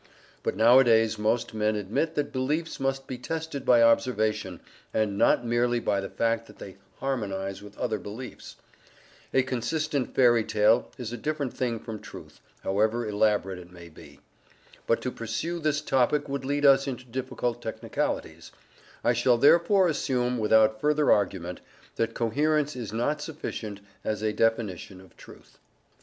But nowadays most men admit that beliefs must be tested by observation, and not merely by the fact that they harmonize with other beliefs. A consistent fairy tale is a different thing from truth, however elaborate it may be. But to pursue this topic would lead us into difficult technicalities; I shall therefore assume, without further argument, that coherence is not sufficient as a definition of truth.